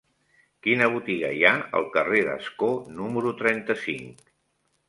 Quina botiga hi ha al carrer d'Ascó número trenta-cinc?